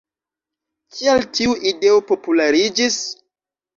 Kial tiu ideo populariĝis?